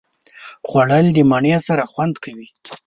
خوړل د مڼې سره خوند کوي